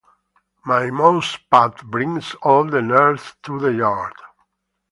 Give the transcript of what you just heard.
My mousepad brings all the nerds to the yard.